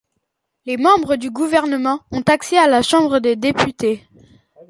Les membres du gouvernement ont accès à la Chambre des députés.